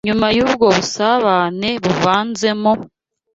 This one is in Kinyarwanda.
Nyuma y’ubwo busabane buvanzemo